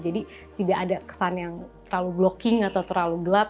tidak ada kesan yang terlalu blocking atau terlalu gelap